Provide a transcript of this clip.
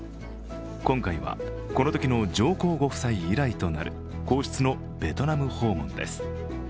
今回は、このときの上皇ご夫妻以来となる皇室のベトナム訪問です。